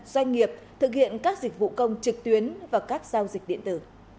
doanh nghiệp thực hiện các dịch vụ công trực tuyến và các giao dịch điện tử